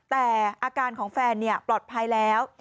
แต่อาการของแฟนปลอดภัยแล้ว